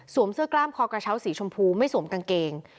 เสื้อกล้ามคอกระเช้าสีชมพูไม่สวมกางเกง